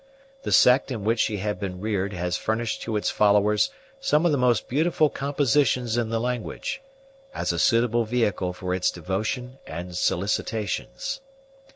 The sect in which she had been reared has furnished to its followers some of the most beautiful compositions in the language, as a suitable vehicle for its devotion and solicitations.